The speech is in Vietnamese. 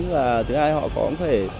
và thứ hai họ có thể